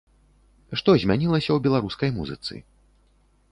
Што змянілася ў беларускай музыцы?